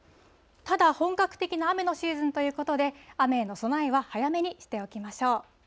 ただ本格的な雨のシーズンということで、雨への備えは早めにしておきましょう。